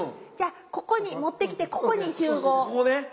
じゃあここに持ってきてここに集合。